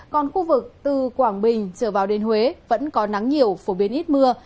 còn khu vực từ quảng bình trở vào đến huế vẫn có nắng nhiều phổ biến ít mưa